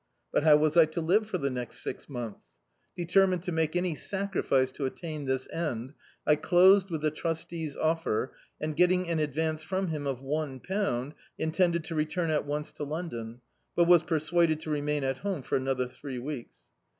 But how was I to live for the next six months? Deter mined to make any sacrifice to atuin this end, I closed with the trustee's offer, and, getting an ad vance from him of one pound, intended to return at once to Londcn, but was persuaded to remain at home for another three weeks.